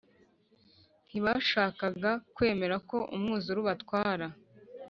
ntibashakaga kwemera ko umwuzure ubatwara